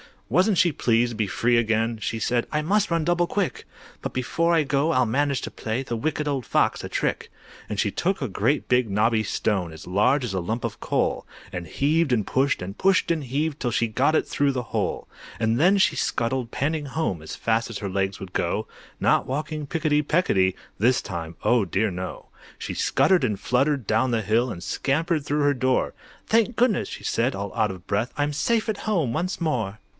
Wasn't she pleased to be free again! She said, "I must run double quick; But before I go I'll manage to play, The Wicked Old Fox a trick." And she took a great big knobby stone, As large as a lump of coal, And heaved and pushed, and pushed and heaved, 'Till she got it through the hole. And then she scuttled panting home As fast as her legs would go, Not walking picketty pecketty This time, oh dear no! She scuttered and fluttered down the hill, And scampered through her door. "Thank goodness!" she said, all out of breath, "I'm safe at home once more!"